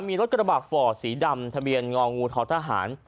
มีรถกระบาดฝ่อสีดำทะเบียนงองูท้อทหาร